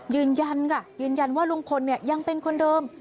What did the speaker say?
ยืนยันค่ะยืนยันว่าลุงพลเนี่ยยังเป็นคนเดิม